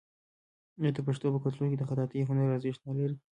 آیا د پښتنو په کلتور کې د خطاطۍ هنر ارزښت نلري؟